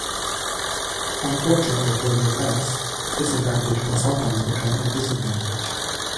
Unfortunately for the offense, this advantage can sometimes become a disadvantage.